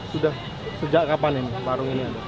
sudah sejak kapan ini warung ini ada